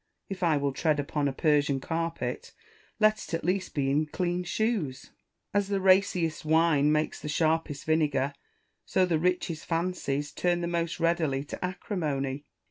If I will tread upon a Persian carpet, let it at least be in clean shoes. As the raciest wine makes the sharpest vinegar, so the ricJiest fancies turn the most readily to acrimony.